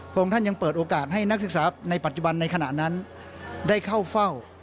องค์ท่านยังเปิดโอกาสให้นักศึกษาในปัจจุบันในขณะนั้นได้เข้าเฝ้า